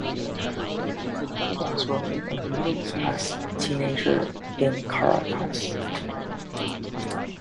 It's a Bildungsroman of a middle class teenager in Caracas.